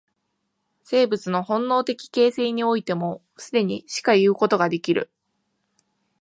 生物の本能的形成においても、既にしかいうことができる。